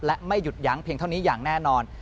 และไม่หยุดยั้งเพียงเท่านี้อย่างแน่นอน